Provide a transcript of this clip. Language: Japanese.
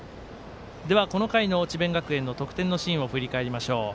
この回の智弁学園の得点のシーンを振り返りましょう。